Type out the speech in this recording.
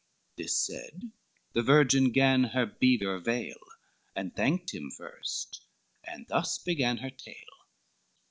This said, the virgin gan her beaver vail, And thanked him first, and thus began her tale.